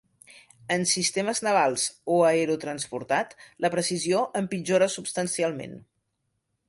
En sistemes navals o aerotransportat la precisió empitjora substancialment.